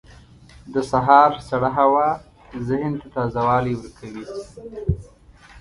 • د سهار سړه هوا ذهن ته تازه والی ورکوي.